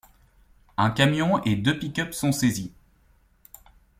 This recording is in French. Un camion et deux pick-up sont saisis.